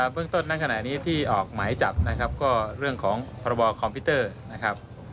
เรื่องต้นนั้นขณะนี้ที่ออกหมายจับนะครับก็เรื่องของพรบคอมพิวเตอร์นะครับ